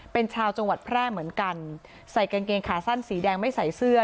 เป็นชาวจังหวัดแพร่เหมือนกันใส่กางเกงขาสั้นสีแดงไม่ใส่เสื้อ